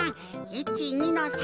１２の３！